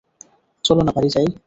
চলো না বাড়ি যাই?